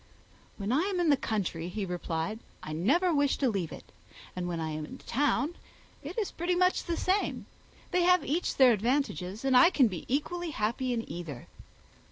"When I am in the country," he replied, "I never wish to leave it; and when I am in town, it is pretty much the same. They have each their advantages, and I can be equally happy in either."